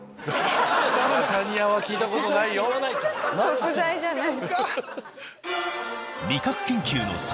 食材じゃない。